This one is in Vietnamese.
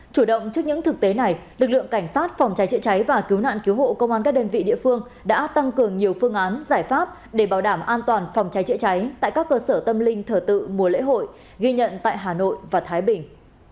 chủ động trước những thực tế này lực lượng cảnh sát phòng cháy chữa cháy và cứu nạn cứu hộ công an các đơn vị địa phương đã tăng cường nhiều phương án giải pháp để bảo đảm an toàn phòng cháy chữa cháy tại các cơ sở tâm linh thờ tự mùa lễ hội ghi nhận tại hà nội và thái bình